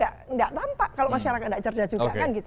tidak tampak kalau masyarakat tidak cerdas juga